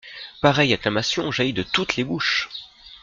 Pareille acclamation jaillit de toutes les bouches.